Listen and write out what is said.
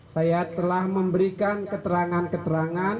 saya telah memberikan keterangan keterangan